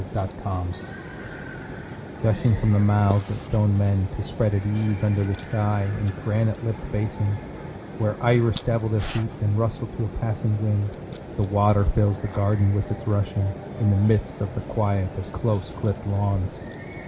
In a Garden Gushing from the mouths of stone men To spread at ease under the sky In granite lipped basins, Where iris dabble their feet And rustle to a passing wind, The water fills the garden with its rushing, In the midst of the quiet of close clipped lawns.